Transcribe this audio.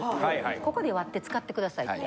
ここで割って使って下さいって。